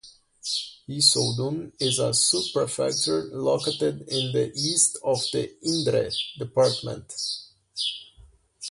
Issoudun is a sub-prefecture, located in the east of the Indre department.